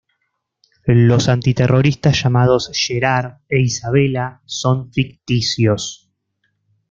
Los antiterroristas llamados "Gerard" e "Isabella" son ficticios.